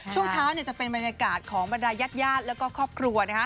ช่วงเช้าจะเป็นบรรยากาศของบรรดายญาติแล้วก็ครอบครัว